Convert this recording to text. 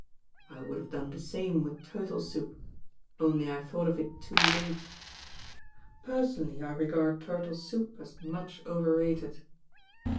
1 would have done the same with turtle soup, only I thought of it too late; personally I regard turtle soup as much over rated."